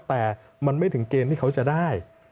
แต่มันไม่ถึงเกณฑ์ที่เขาจะได้